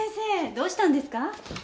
どうしたんですか？